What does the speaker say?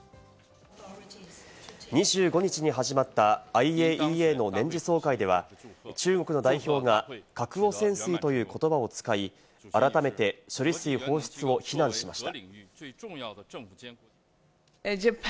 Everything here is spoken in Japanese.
２５日に始まったＩＡＥＡの年次総会では、中国の代表が核汚染水という言葉を使い、改めて処理水放出を非難しました。